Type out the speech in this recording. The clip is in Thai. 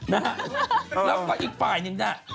น่ะแล้วก็อีกฝ่ายหนึ่งน่ะเออ